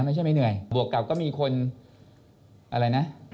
ไม่ใช่ไม่เหนื่อยบวกกับก็มีคนอะไรนะ